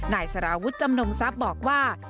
นายสารวุฒิจำนงทรัพย์บอกว่า